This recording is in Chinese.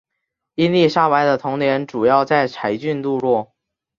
伊丽莎白的童年主要在柴郡度过。